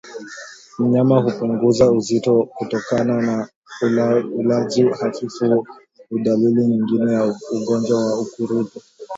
Mnyama kupungua uzito kutokana na ulaji hafifu ni dalili nyingine ya ugonjwa wa ukurutu